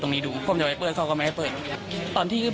ตอนที่ภุ่มกุนไอทิศเข้าก็ไม่กลับนอก